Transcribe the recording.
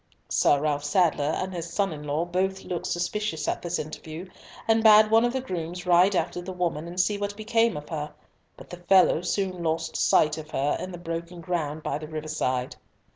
Sir Ralf Sadler and his son in law both looked suspicious at this interview, and bade one of the grooms ride after the woman and see what became of her, but the fellow soon lost right of her in the broken ground by the river side.